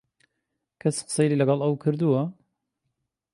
کەس قسەی لەگەڵ ئەو کردووە؟